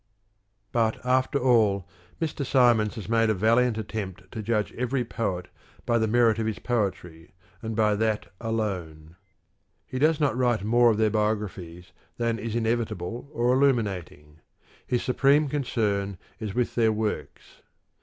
But, after all, Mr. Symons has made a valiant attempt to judge every poet by the merit of his poetry, and by that alone. He does not write more of their biographies than is inevitable or illuminating: his supreme concern is with their works.